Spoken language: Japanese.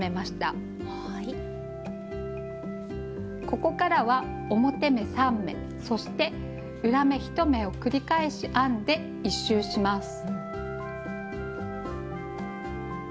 ここからは表目３目そして裏目１目を繰り返し編んで１周します。